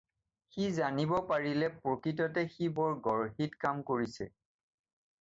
সি জানিব পাৰিলে প্ৰকৃততে সি বৰ গৰ্হিত কাম কৰিছে।